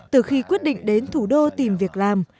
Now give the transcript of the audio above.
từ khi quyết định đến thủ đô tìm việc làm